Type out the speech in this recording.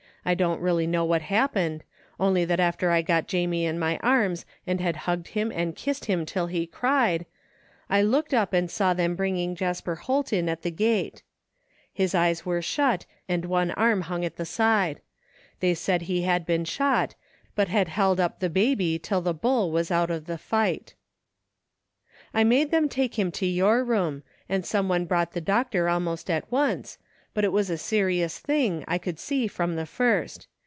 I don't really know what hap pened, only that after I got Jamie in my arms and had hugged him and kissed him till he cried, I looked 262 THE FINDING OF JASPER HOLT up and saw them bringing Jasper Holt in at the gate. His eyes were shut and one arm hung at the side. They said he had been shot, but had held up the baby till the bull was out of the fight. " I made them take him to your room, and some one brougtht the doctor almost at once, but it was a serious thing, I could see from the first.